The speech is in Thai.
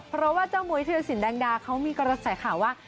เพราะว่าเจ้ามุยธิรสินแดงดาเขามีกระแสข่าวว่า